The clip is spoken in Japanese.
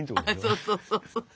そうそうそう。